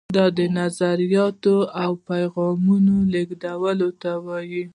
دا د نظریاتو او پیغامونو لیږدولو ته وایي.